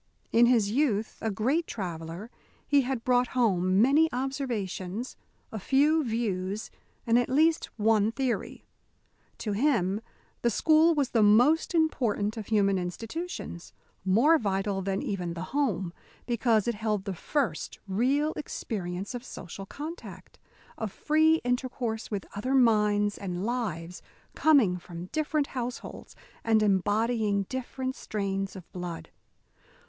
In his youth a great traveller, he had brought home many observations, a few views, and at least one theory. To him the school was the most important of human institutions more vital even than the home, because it held the first real experience of social contact, of free intercourse with other minds and lives coming from different households and embodying different strains of blood.